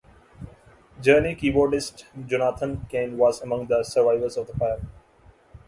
Journey keyboardist Jonathan Cain was among the survivors of the fire.